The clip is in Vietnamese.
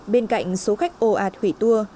bên cạnh số khách ô ạt hủy tour